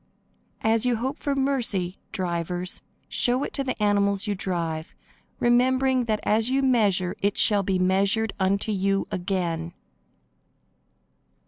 As you hope for mercy, drivers, show it to the animals you drive, remembering that as you measure it shall be measured unto you again.